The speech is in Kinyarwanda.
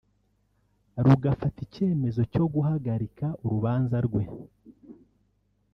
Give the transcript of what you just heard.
rugafata icyemezo cyo guhagarika urubanza rwe